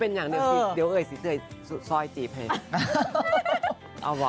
เพราะว่าใจแอบในเจ้า